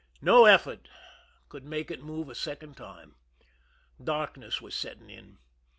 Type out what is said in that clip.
No effort could make it move a second time. Darkness was setting in.